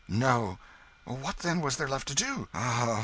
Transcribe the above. No. What, then, was there left to do?